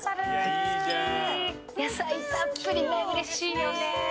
野菜たっぷりでうれしいよね。